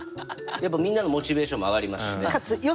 やっぱみんなのモチベーションも上がりますしね。